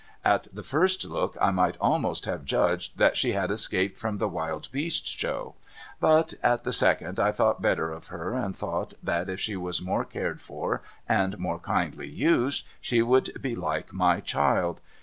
At the first look I might almost have judged that she had escaped from the Wild Beast Show ; but at the second I thought better of her, and thougiit that if slie was more cared for and more kindly used she would be like my child.